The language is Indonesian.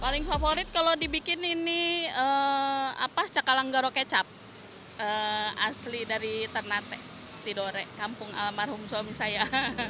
paling favorit kalau dibikin ini cakalang garo kecap asli dari ternate tidorek kampung almarhum suami saya